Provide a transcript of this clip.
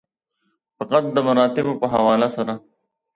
فقط د مراتبو په حواله سره.